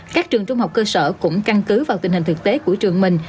các trường trung học cơ sở cũng căn cứ vào tình hình thực tế của trường mình